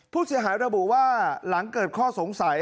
ผู้เสียหายระบุว่าหลังเกิดข้อสงสัย